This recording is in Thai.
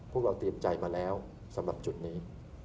พวกเราเตรียมใจมาแล้วสำหรับจุดนี้